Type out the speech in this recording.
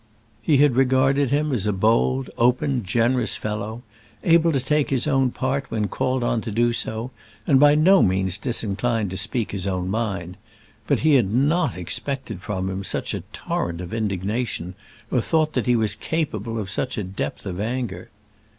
He had regarded him as a bold, open, generous fellow, able to take his own part when called on to do so, and by no means disinclined to speak his own mind; but he had not expected from him such a torrent of indignation, or thought that he was capable of such a depth of anger.